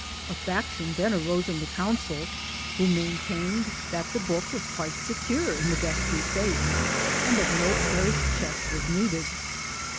A faction then arose in the Council who maintained that the book was quite secure in the Vestry safe ; and that no Parish Chest was needed